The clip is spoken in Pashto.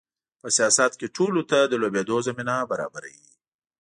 په سیاست کې ټولو ته د لوبېدو زمینه برابروي.